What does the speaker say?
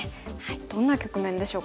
どんな局面でしょうか。